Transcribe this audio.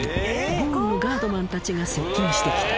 ゴーンのガードマンたちが接近してきた。